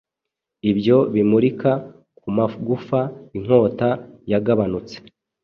Ibyo bimurika kumagufa inkota yagabanutse